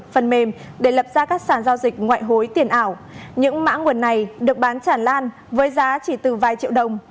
phần mềm để lập ra các sản giao dịch ngoại hối tiền ảo những mã nguồn này được bán chản lan với giá chỉ từ vài triệu đồng